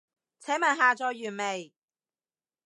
請問下載完未？